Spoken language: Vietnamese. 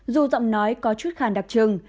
dù giọng nói có chút khàn đặc trưng